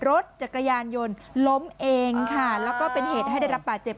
รถจักรยานยนต์ล้มเองค่ะแล้วก็เป็นเหตุให้ได้รับบาดเจ็บ